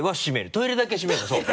トイレだけ閉めるのそう。